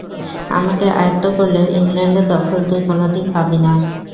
আমাকে আয়ত্ত করলেও ইংল্যান্ডের দখল তুই কোনোদিন পাবি না।